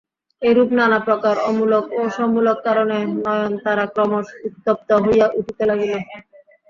এইরূপ নানাপ্রকার অমূলক ও সমূলক কারণে নয়নতারা ক্রমশ উত্তপ্ত হইয়া উঠিতে লাগিল।